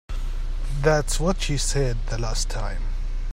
That's what she said the last time.